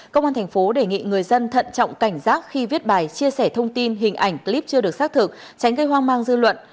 công an thành phố đề nghị người dân thận trọng cảnh giác khi viết bài chia sẻ thông tin hình ảnh clip chưa được xác thực tránh gây hoang mang dư luận